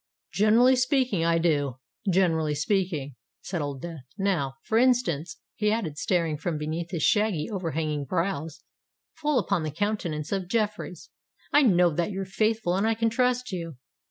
"Generally speaking, I do—generally speaking," said Old Death. "Now, for instance," he added, staring from beneath his shaggy, overhanging brows, full upon the countenance of Jeffreys, "I know that you're faithful—and I can trust you."